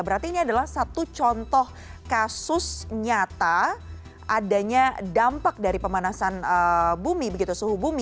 berarti ini adalah satu contoh kasus nyata adanya dampak dari pemanasan bumi begitu suhu bumi